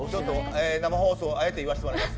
生放送、あえて言わせていただきます。